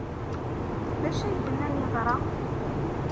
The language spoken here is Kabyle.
D acu ay d-nnan yeḍra?